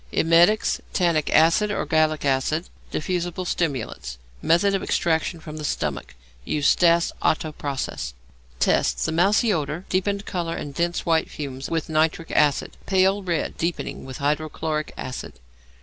_ Emetics, tannic acid or gallic acid. Diffusible stimulants. Method of Extraction from the Stomach. Use Stas Otto process. Tests. The mousy odour. Deepened colour and dense white fumes with nitric acid. Pale red, deepening, with hydrochloric acid.